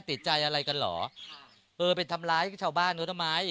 ติดใจอะไรกันเหรอเออไปทำร้ายชาวบ้านเขาทำไม